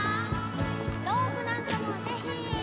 ロープなんかもぜひ。